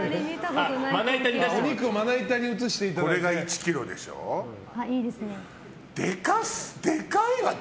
お肉をまな板に移していただいて。